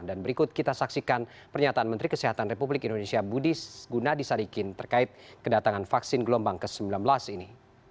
dan berikut kita saksikan pernyataan menteri kesehatan republik indonesia budi gunadi sarikin terkait kedatangan vaksin gelombang ke sembilan belas ini